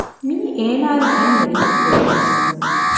މިއީ އޭނާއަށް އެންމެ ރީތި ކުލަވެސް